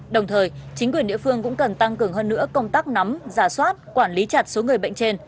đồng thời chính quyền địa phương cũng cần tăng cường hơn nữa công tác nắm giả soát quản lý chặt số người bệnh trên